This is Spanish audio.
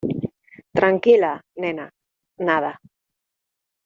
tranquila, nena. nada .